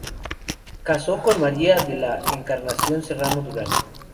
Casó con María de la Encarnación Serrano Durán.